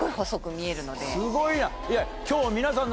すごいな。